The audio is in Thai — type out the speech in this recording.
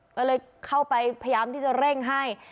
ก็เลยเข้าไปพยายามที่จะเร่งให้